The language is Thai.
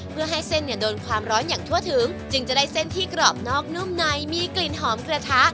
เพื่อให้เส้นเนี่ยโดนความร้อนอย่างทั่วถึงจึงจะได้เส้นที่กรอบนอกนุ่มในมีกลิ่นหอมกระทะ